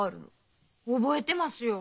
覚えてますよ。